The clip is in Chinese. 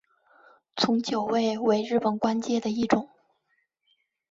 从九位为日本官阶的一种。